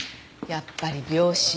やっぱり病死。